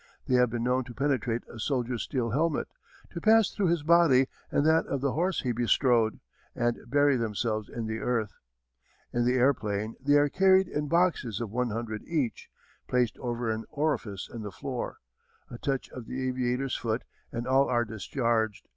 They have been known to penetrate a soldier's steel helmet, to pass through his body and that of the horse he bestrode, and bury themselves in the earth. In the airplane they are carried in boxes of one hundred each, placed over an orifice in the floor. A touch of the aviator's foot and all are discharged.